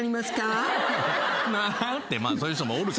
まあそういう人もおるけど。